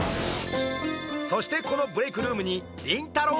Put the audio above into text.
そしてこのブレイクルームにりんたろー。